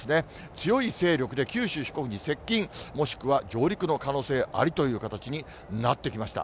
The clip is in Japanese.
強い勢力で九州、四国に接近、もしくは上陸の可能性ありという形になってきました。